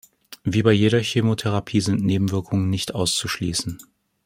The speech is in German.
Wie bei jeder Chemotherapie sind Nebenwirkungen nicht auszuschließen.